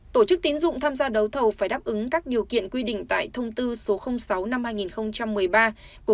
tổ chức tín dụng tham gia đấu thầu phải đáp ứng các điều kiện quy định tại thông tư số sáu năm hai nghìn một mươi ba của ngân hàng nhà nước